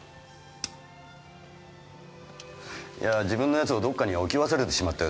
自分のやつをどこかに置き忘れてしまったようで。